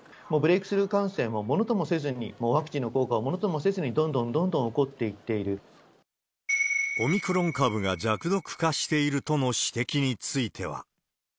もうブレークスルー感染をものともせず、ワクチンの効果をものともせずにどんどんどんどん起こっていってオミクロン株が弱毒化しているとの指摘については。